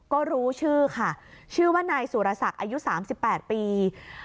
ก็รู้ชื่อค่ะชื่อว่านายสุรศักดิ์อายุ๓๘ปี